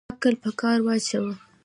عقل په کار واچوه